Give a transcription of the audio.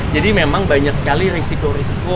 memang banyak sekali risiko risiko